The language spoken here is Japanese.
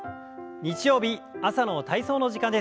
日曜日朝の体操の時間です。